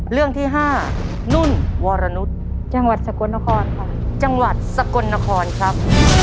เรื่องที่ห้านุ่นวรนุษย์จังหวัดสกลนครค่ะจังหวัดสกลนครครับ